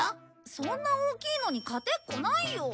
そんな大きいのに勝てっこないよ！